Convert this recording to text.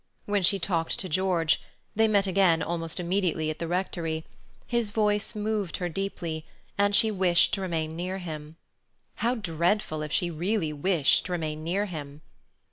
When she talked to George—they met again almost immediately at the Rectory—his voice moved her deeply, and she wished to remain near him. How dreadful if she really wished to remain near him!